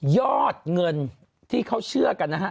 ยอดเงินที่เขาเชื่อกันนะฮะ